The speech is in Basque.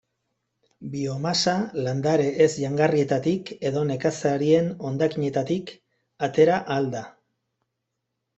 Biomasa landare ez-jangarrietatik edo nekazarien hondakinetatik atera ahal da.